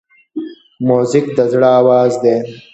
موزیک د زړه آواز دی.